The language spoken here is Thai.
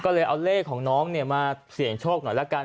ก็เลยเอาเลขของน้องมาเสี่ยงโชคหน่อยละกัน